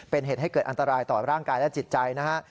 เป็นเหตุให้เกิดอันตรายต่อร่างกายและจิตใจนะฮะ